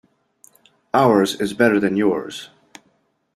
Ours is better than yours.